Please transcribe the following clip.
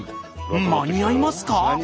間に合いますか？